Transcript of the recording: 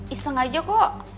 iseng aja kok